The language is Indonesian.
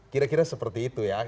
kira kira seperti itu ya